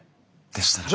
でしたら。